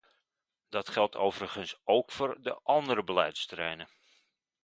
Dat geldt overigens ook voor de andere beleidsterreinen.